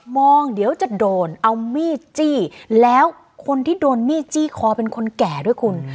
มองเดี๋ยวจะโดนเอามีดจี้แล้วคนที่โดนมีดจี้คอเป็นคนแก่ด้วยคุณ